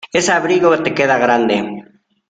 Ese abrigo te queda grande.